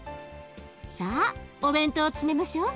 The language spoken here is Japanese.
さあお弁当を詰めましょう。